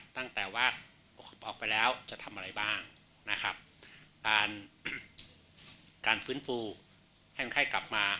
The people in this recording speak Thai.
ตั้งแต่ว่าออกไปแล้วจะทำอะไรบ้างนะครับการการฟื้นฟูให้ไข้กลับมา